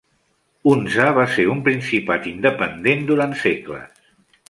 Hunza va ser un principat independent durant segles.